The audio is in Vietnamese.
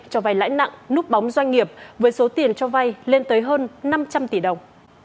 cho vai lãnh nặng núp bóng doanh nghiệp với số tiền cho vai lên tới hơn năm trăm linh tỷ đồng